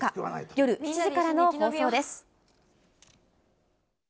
夜７時からの放送です。